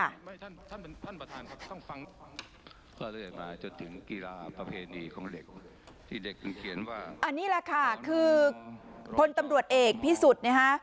อันนี้แหละค่ะคือพลตำรวจเอกพิสุทธิ์นะฮะ